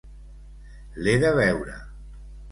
L'he de veure.